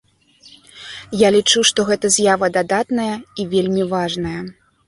Я лічу, што гэта з'ява дадатная і вельмі важная.